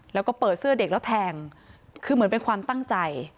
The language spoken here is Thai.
แล้วก็เปิดเสื้อเด็กแล้วแทงคือเหมือนเป็นความตั้งใจ